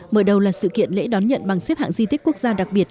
mở đầu là sự kiện lễ đón nhận bằng xếp hạng di tích quốc gia đặc biệt